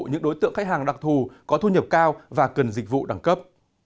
những đối tượng khách hàng đặc thù có thu nhập cao và cần dịch vụ đẳng cấp